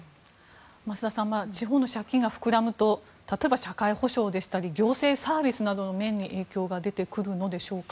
増田さん地方の借金が膨らむと例えば社会保障でしたり行政サービスなどの面に影響が出てくるのでしょうか。